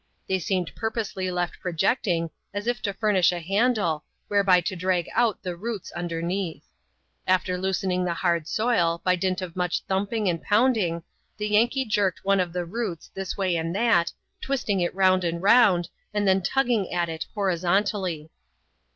They seemed purposely left projecting, as if to furnish a handle, whereby to drag out the roots beneath. Aflter loosening the hard soil, by dint of much thumping and pounding, the Ysmkee jerked one of the roots, this way and that, twisting it roand and round, and then tugging at it horizontally.